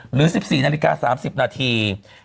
หรือ๑๔นาฬิกา๓๐นาที